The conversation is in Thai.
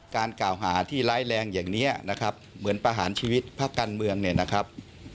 การกล่าวหาที่ร้ายแรงอย่างนี้นะครับเหมือนประหารชีวิตพักการเมืองเนี่ยนะครับ